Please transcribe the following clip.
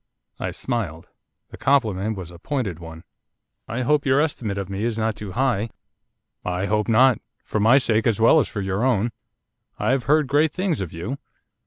I smiled, the compliment was a pointed one. 'I hope your estimate of me is not too high.' 'I hope not, for my sake, as well as for your own. I have heard great things of you.